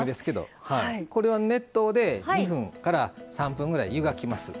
これを熱湯で２３分ぐらい湯がきます。